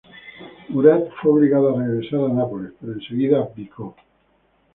Murat fue obligado a regresar a Nápoles, pero en seguida abdicó.